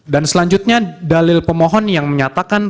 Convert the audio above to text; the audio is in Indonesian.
dan selanjutnya dalil pemohon yang menyatakan